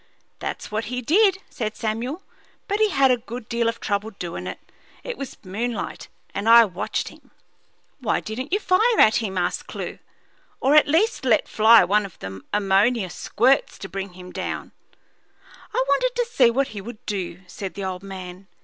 "That's what he did," said Samuel; "but he had a good deal of trouble doin' it. It was moonlight, and I watched him." "Why didn't you fire at him?" asked Clewe. "Or at least let fly one of the ammonia squirts and bring him down?" "I wanted to see what he would do," said the old man.